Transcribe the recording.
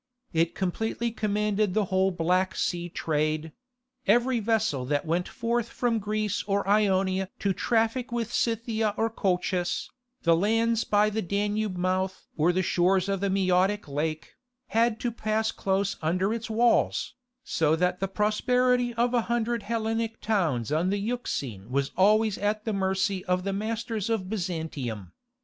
It completely commanded the whole Black Sea trade: every vessel that went forth from Greece or Ionia to traffic with Scythia or Colchis, the lands by the Danube mouth or the shores of the Maeotic Lake, had to pass close under its walls, so that the prosperity of a hundred Hellenic towns on the Euxine was always at the mercy of the masters of Byzantium.